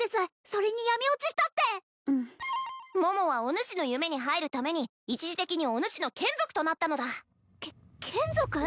それに闇堕ちしたってうん桃はおぬしの夢に入るために一時的におぬしの眷属となったのだけ眷属！？